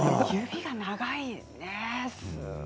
指が長いですね。